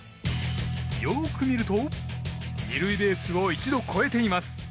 よく見ると、２塁ベースを一度越えています。